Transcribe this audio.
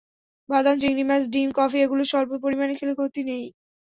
বাদাম, চিংড়ি মাছ, ডিম, কফি এগুলো স্বল্প পরিমাণে খেলে ক্ষতি নেই।